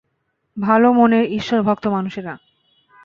ভালো মনের, ঈশ্বরভক্ত মানুষেরা।